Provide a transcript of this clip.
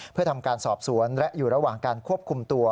เพื่อทำการสอบสวนและอยู่ระหว่างการควบคุมตัว